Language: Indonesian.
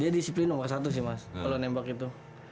dia disiplin nomor satu sih mas kalau menembak itu